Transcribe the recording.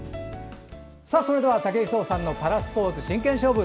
それでは武井壮さんのパラスポーツ真剣勝負。